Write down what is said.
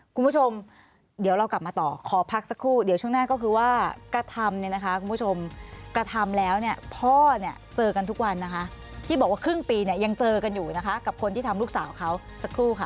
คุณผู้ชมเดี๋ยวเรากลับมาต่อขอพักสักครู่เดี๋ยวช่วงหน้าก็คือว่ากระทำเนี่ยนะคะคุณผู้ชมกระทำแล้วเนี่ยพ่อเนี่ยเจอกันทุกวันนะคะที่บอกว่าครึ่งปีเนี่ยยังเจอกันอยู่นะคะกับคนที่ทำลูกสาวเขาสักครู่ค่ะ